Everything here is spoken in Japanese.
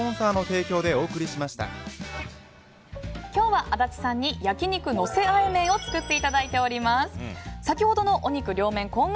今日は足立さんに焼き肉のせあえ麺を作っていただいております。